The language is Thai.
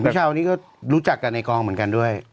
พี่เช้าในกรองรู้จักกันนะด้วย